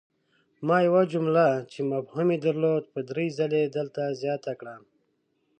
ما یوه جمله چې مفهوم ېې درلود په دري ځلې دلته زیاته کړه!